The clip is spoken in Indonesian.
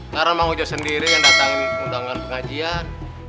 karena mak ojo sendiri yang datangin undangan pengajian